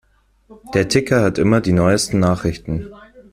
Der Ticker hat immer die neusten Nachrichten.